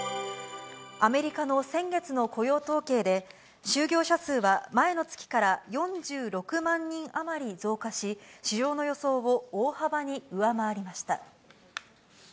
アメリカの先月の雇用統計で、就業者数は前の月から４６万人余り増加し、市場の予想を大幅に上回りました。